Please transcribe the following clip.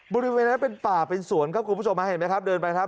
บริเวณนั้นเป็นป่าเป็นสวนครับคุณผู้ชมฮะเห็นไหมครับเดินไปครับ